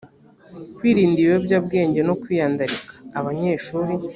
kwirinda ibiyobyabwenge no kwiyandarika abanyeshuri